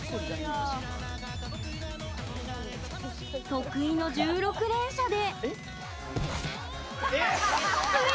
得意の１６連射で。